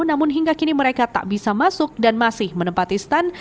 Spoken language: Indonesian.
namun hingga kini mereka tak bisa masuk dan masih menempati stand